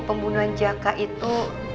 pembunuhan jaka itu